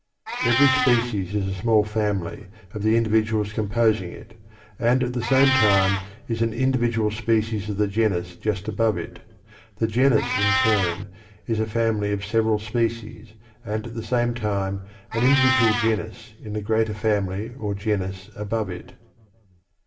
Every species is a small family of the individuals composing it, and at the same time is an individual species of the genus just above it; the genus, in turn, is a family of several species, and at the same time an individual genus in the greater family or genus above it.